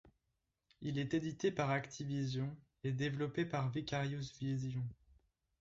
Il est édité par Activision et développé par Vicarious Visions.